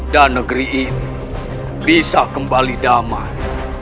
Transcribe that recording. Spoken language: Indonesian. dan negeri ini bisa kembali damai